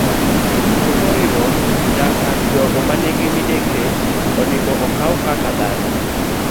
Jiduto, moriwo nyaka jogo ma nigi midekre, onego okaw kaka dhano.